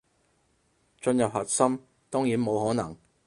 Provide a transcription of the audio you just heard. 進入核心，當然冇可能